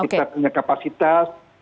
kita punya kapasitas